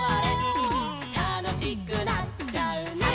「たのしくなっちゃうね」